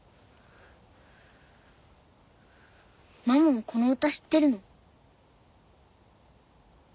ママもこの歌知ってるの？